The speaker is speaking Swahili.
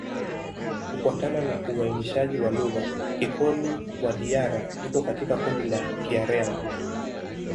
Kufuatana na uainishaji wa lugha, Kikoli-Wadiyara iko katika kundi la Kiaryan.